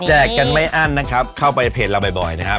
กันไม่อั้นนะครับเข้าไปเพจเราบ่อยนะครับ